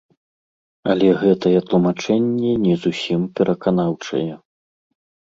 Але гэтае тлумачэнне не зусім пераканаўчае.